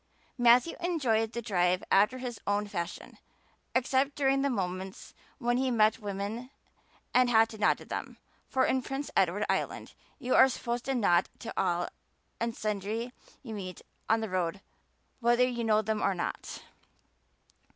Matthew enjoyed the drive after his own fashion, except during the moments when he met women and had to nod to them for in Prince Edward island you are supposed to nod to all and sundry you meet on the road whether you know them or not.